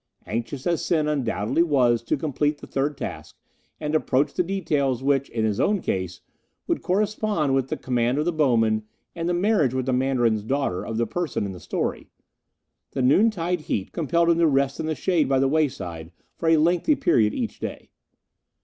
Anxious as Sen undoubtedly was to complete the third task, and approach the details which, in his own case, would correspond with the command of the bowmen and the marriage with the Mandarin's daughter of the person in the story, the noontide heat compelled him to rest in the shade by the wayside for a lengthy period each day.